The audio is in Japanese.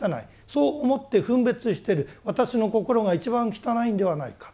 そう思って分別してる私の心が一番汚いんではないか？